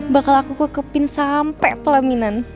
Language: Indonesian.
bakal aku kekepin sampai pelaminan